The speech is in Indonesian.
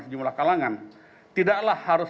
sejumlah kalangan tidaklah harus